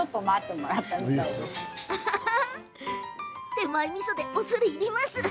手前みそで、恐れ入ります。